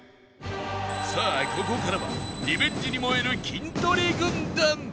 さあここからはリベンジに燃えるキントリ軍団